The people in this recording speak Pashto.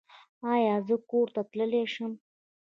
ایا زه کور ته تللی شم؟